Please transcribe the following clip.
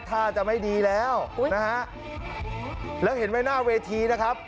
ท่าจะไม่ดีแล้วนะฮะแล้วเห็นไหมหน้าเวทีนะครับ